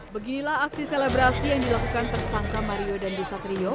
beginilah aksi selebrasi yang dilakukan tersangka mario dandisatrio